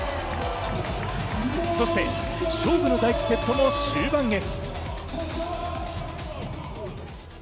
そして、勝負の第１セットも終盤へ。